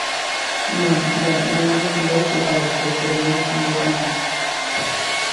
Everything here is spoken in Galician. Non, ben, gañamos un bo deputado, pero perdemos un bo cantante.